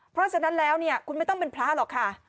เพราะฉะนั้นแล้วเนี่ยคุณไม่ต้องเป็นพระหรอกค่ะ